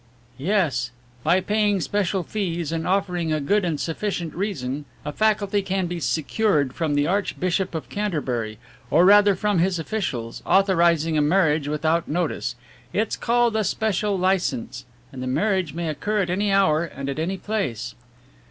"Yes. By paying special fees and offering a good and sufficient reason a faculty can be secured from the Archbishop of Canterbury, or rather from his officials, authorizing a marriage without notice. It is called a special licence, and the marriage may occur at any hour and at any place."